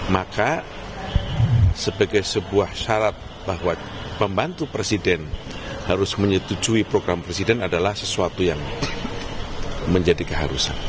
maka sebagai sebuah syarat bahwa pembantu presiden harus menyetujui program presiden adalah sesuatu yang menjadi keharusan